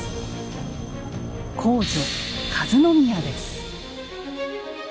皇女和宮です。